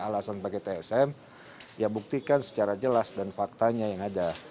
alasan pakai tsm ya buktikan secara jelas dan faktanya yang ada